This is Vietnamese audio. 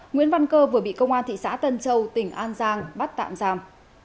nguyễn văn cơ vừa bị công an thị xã tân châu tỉnh an giang bắt tạm giam